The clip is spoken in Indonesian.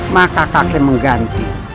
maka kakek mengganti